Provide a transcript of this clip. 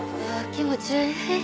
気持ち悪い。